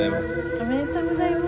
おめでとうございます。